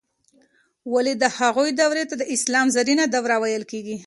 ولې د هغوی دورې ته د اسلام زرینه دوره ویل کیږي؟